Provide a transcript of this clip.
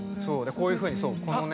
こういうふうにこのね。